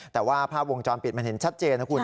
แต่ว่าภาพวงจรปิดมันเห็นชัดเจนนะคุณ